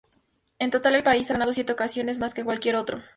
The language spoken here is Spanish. En total, el país ha ganado siete ocasiones, más que cualquier otro.